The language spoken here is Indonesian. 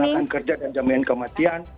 jamanan kerja dan jamanan kematian